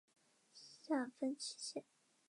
下分七县。